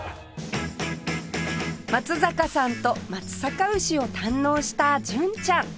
松坂さんと松阪牛を堪能した純ちゃん